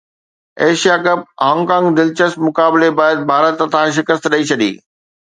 Asia cup Hong Kong دلچسپ مقابلي بعد ڀارت هٿان شڪست ڏئي ڇڏي